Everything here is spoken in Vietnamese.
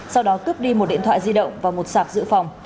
sau đó cướp đi một điện thoại di động và một sạc dự phòng